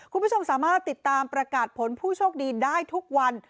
คุณผู้ชมสามารถติดตามประกาศผลผู้โชคดีได้ทุกวัน